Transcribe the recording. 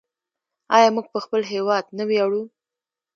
آیا موږ په خپل هیواد نه ویاړو؟